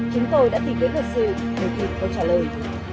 chúng tôi đã tìm kiếm thực sự để tìm câu trả lời